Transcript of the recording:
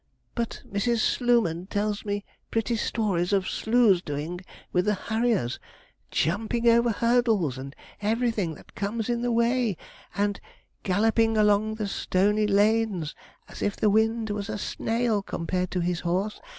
but Mrs. Slooman tells me pretty stories of Sloo's doings with the harriers jumping over hurdles, and everything that comes in the way, and galloping along the stony lanes as if the wind was a snail compared to his horse.